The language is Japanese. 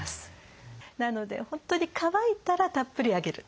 なので本当に乾いたらたっぷりあげる。